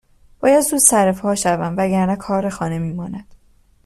باید زود سرپا شوم وگرنه کار خانه میماند